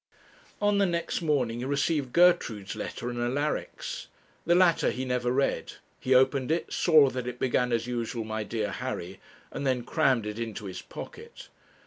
On the next morning he received Gertrude's letter and Alaric's. The latter he never read he opened it, saw that it began as usual, 'My dear Harry,' and then crammed it into his pocket.